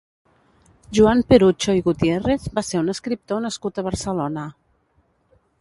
Joan Perucho i Gutiérrez va ser un escriptor nascut a Barcelona.